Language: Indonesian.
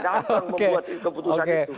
gampang membuat keputusan itu